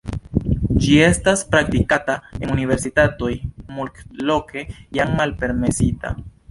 Ĝi estas praktikata en universitatoj, multloke jam malpermesita.